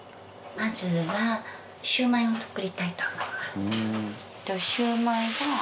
まずはシュウマイを作りたいと思います。